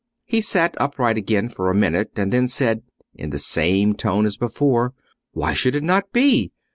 He sat upright again for a minute, and then said, in the same tone as before, "Why should it not be?